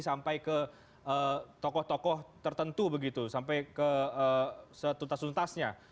sampai ke tokoh tokoh tertentu begitu sampai ke setuntas tuntasnya